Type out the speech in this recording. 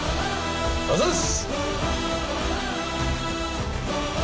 あざっす！